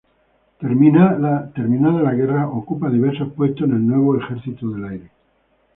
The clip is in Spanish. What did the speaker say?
Terminada la guerra ocupa diversos puestos en el nuevo Ejercito del Aire.